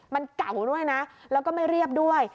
มันเก่าด้วยนะแล้วก็ไม่เรียบด้วย